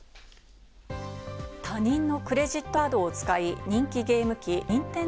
他人のクレジットカードを使い、人気ゲーム機